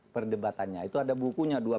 perdebatannya itu ada bukunya